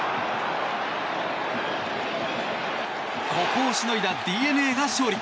ここをしのいだＤｅＮＡが勝利。